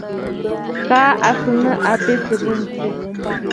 Kaa à sɨ̀ nɨ̂ àbetə̀ bû ǹtswe.